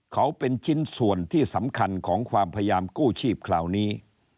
เขาเป็นชิ้นส่วนที่สำคัญของความพยายามกู้ชีพคราวนี้